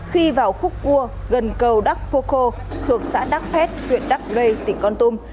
khi vào khúc cua gần cầu đắc pô cô thuộc xã đắc pét huyện đắc lê tỉnh con tôm